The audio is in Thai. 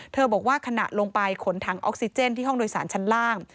บอกว่าขณะลงไปขนถังออกซิเจนที่ห้องโดยสารชั้นล่าง